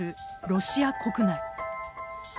ロシア国内。